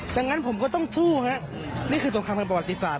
ดังนั้นผมก็ต้องสู้แบบนี้คือส่งคำที่แบบประบาทธิษฐศาสตร์